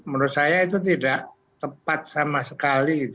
menurut saya itu tidak tepat sama sekali